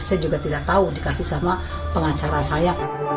saya juga tidak tahu dikasih sama pengacara saya